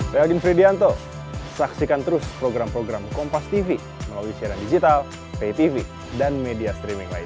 saya ogien fridianto saksikan terus program program kompastv melalui siaran digital ptv dan media streaming lain